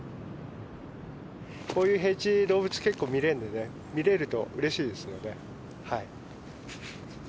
こういう平地動物結構見れるんでね見れるとうれしいですよね。